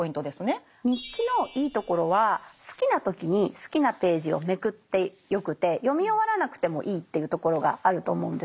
日記のいいところは好きな時に好きなページをめくってよくて読み終わらなくてもいいっていうところがあると思うんですよ。